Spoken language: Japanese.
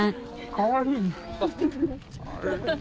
かわいい。